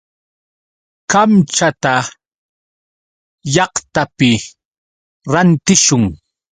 Kamchata llaqtapi rantishun.